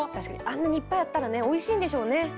あんなにいっぱいあったらねおいしいんでしょうね。